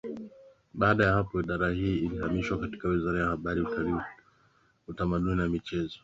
Baada ya hapo Idara hii ilihamishwa katika Wiraza ya Habari Utalii Utamaduni na Michezo